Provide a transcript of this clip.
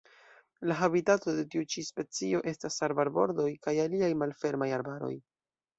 La habitato de tiu ĉi specio estas arbarbordoj kaj aliaj malfermaj arbaroj.